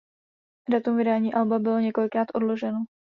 Datum vydání alba bylo několikrát odloženo.